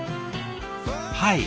はい。